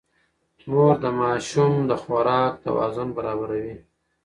مور د ماشوم د خوراک توازن برابروي.